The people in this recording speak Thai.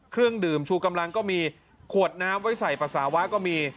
เครื่องดื่มชูกำลังก็มีขวดน้ำไว้ใส่ปัสสาวะก็มี